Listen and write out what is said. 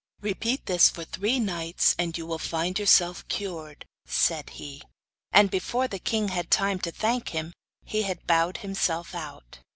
'Repeat this for three nights, and you will find yourself cured,' said he. And before the king had time to thank him he had bowed himself out.